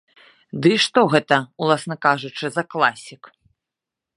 Ды і што гэта, уласна кажучы, за класік?